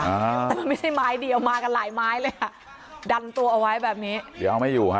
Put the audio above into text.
อ่าแต่มันไม่ใช่ไม้เดียวมากันหลายไม้เลยอ่ะดันตัวเอาไว้แบบนี้เดี๋ยวเอาไม่อยู่ฮะ